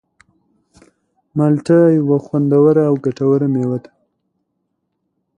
مالټه یوه خوندوره او ګټوره مېوه ده.